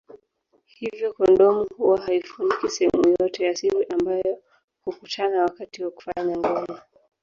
Hivyo kondomu huwa haifuniki sehemu yote ya siri ambayo hukutana wakati wa kufanya ngono